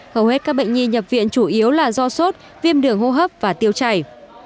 hầu hết các bệnh nhi nhập viện chủ yếu là do sốt viêm đường hô hấp và tiêu chảy